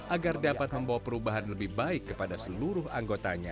agar dapat membawa perubahan lebih baik kepada seluruh anggotanya